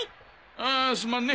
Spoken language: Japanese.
ああすまんね